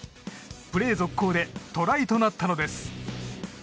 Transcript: プレー続行でトライとなったのです。